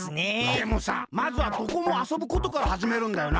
でもさまずはどこもあそぶことからはじめるんだよな。